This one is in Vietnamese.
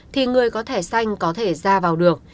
thì người có thẻ xanh có thể ra vào được